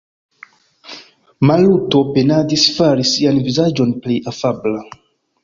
Maluto penadis fari sian vizaĝon plej afabla.